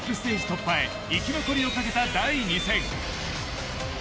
突破へ生き残りをかけた第２戦。